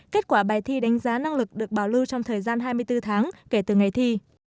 kết quả bài thi đánh giá năng lực được bảo lưu trong thời gian hai mươi bốn tháng kể từ ngày thi